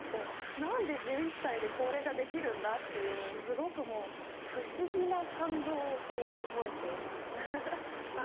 何で１１歳でこれができるんだっていうすごくもう不思議な感動を覚えています。